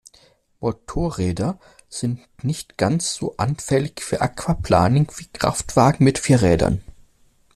Motorräder sind nicht ganz so anfällig für Aquaplaning wie Kraftwagen mit vier Rädern.